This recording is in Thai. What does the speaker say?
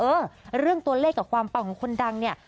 เออเรื่องตัวเลขกับความปังของคนดังเนี่ย